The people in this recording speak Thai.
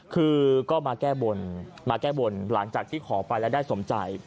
คือก็มาแก้บนมาแก้บนหลังจากที่ขอไปแล้วได้สมใจ